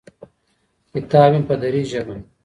کتاب مې په دري ژبه